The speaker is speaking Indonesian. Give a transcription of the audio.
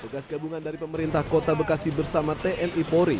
tugas gabungan dari pemerintah kota bekasi bersama tni polri